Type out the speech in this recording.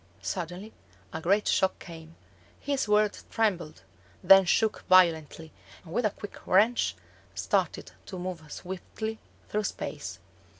Suddenly a great shock came: his World trembled, then shook violently, and, with a quick wrench, started to move swiftly through space.